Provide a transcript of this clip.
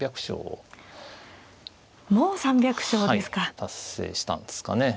達成したんですかね。